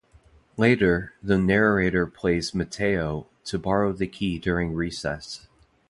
Later, the narrator pays Mateo to borrow the key during recess.